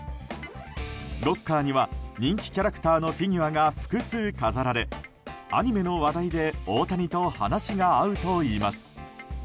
ロッカーには人気キャラクターのフィギュアが複数飾られアニメの話題で大谷と話が合うといいます。